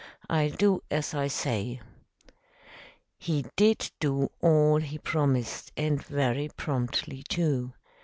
"I'll do as I say." He did do all he promised, and very promptly, too.